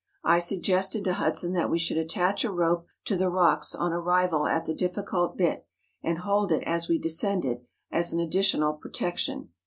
I sug¬ gested to Hudson that we should attach a rope to the rocks on arrival at the difficult bit, and hold it as we descended, as an additional protection.